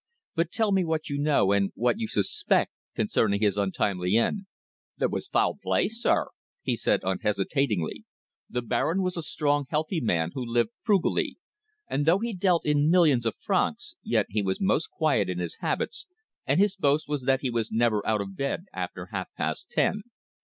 "But tell me what you know, and what you suspect concerning his untimely end." "There was foul play, sir!" he said unhesitatingly. "The Baron was a strong healthy man who lived frugally, and though he dealt in millions of francs, yet he was most quiet in his habits, and his boast was that he was never out of bed after half past ten.